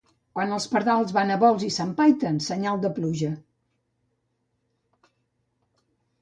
Quan els pardals van a vols i s'empaiten, senyal de pluja.